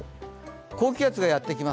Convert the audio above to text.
高気圧がやってきます。